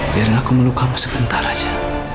biarin aku menolong kamu sebentar aja